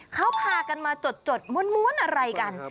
เขาพากันมาจดม้วนอะไรกัน